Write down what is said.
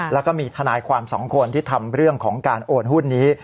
แล้วก็มีทนายความสองคนที่ทำเรื่องของการโอนหุ้นนี้